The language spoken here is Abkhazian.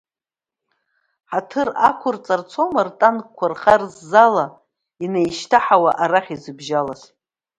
Ҳаҭыр ақәырҵарц аума ртанкқәа рхарззала, инеишьҭаҳауа арахь изыбжьалаз?!